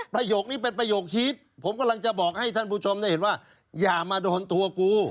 ประโยคนี้เป็นประโยคฮีตผมกำลังจะบอกให้ท่านผู้ชมได้เห็นว่าอย่ามาโดนตัวกู